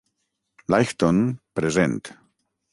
Leighton, present.